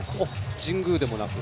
神宮でもなく？